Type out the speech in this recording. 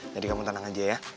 jadi kamu tenang aja ya